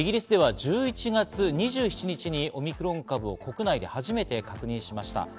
イギリスでは１１月２７日にオミクロン株を国内で初めて確認しました。